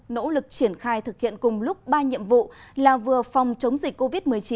nỗ lực triển khai thực hiện cùng lúc ba nhiệm vụ là vừa phòng chống dịch covid một mươi chín